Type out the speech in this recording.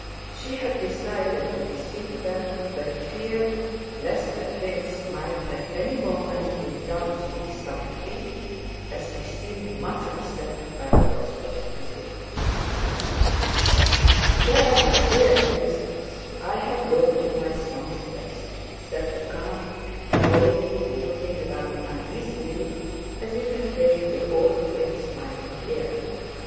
She had decided to receive them, but feared lest the prince might at any moment indulge in some freak, as he seemed much upset by the Rostóvs' visit. "There, my dear princess, I've brought you my songstress," said the count, bowing and looking round uneasily as if afraid the old prince might appear.